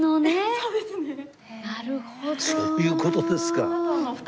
そういう事ですか。